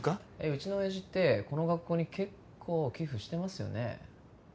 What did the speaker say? うちの親父ってこの学校に結構寄付してますよね？